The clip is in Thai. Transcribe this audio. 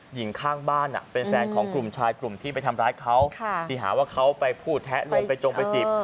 หญิงข้างบ้านเป็นแฟนของกลุ่มชายกลุ่มที่ไปทำร้ายเขาที่หาว่าเขาไปพูดแทะลวงไปจงไปจีบ